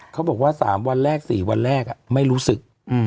เขาบอกว่า๓วันแรก๔วันแรกไม่รู้สึก